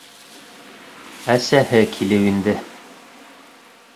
Әсәһе килеп инде.